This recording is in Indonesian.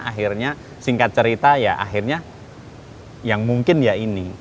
akhirnya singkat cerita ya akhirnya yang mungkin ya ini